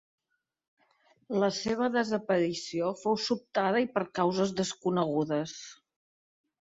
La seva desaparició fou sobtada i per causes desconegudes.